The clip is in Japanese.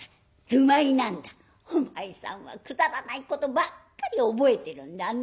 「お前さんはくだらないことばっかり覚えてるんだねえ」。